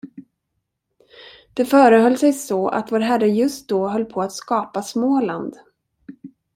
Det förehöll sig så, att Vår Herre just då höll på att skapa Småland.